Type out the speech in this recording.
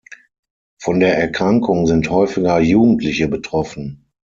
Von der Erkrankung sind häufiger Jugendliche betroffen.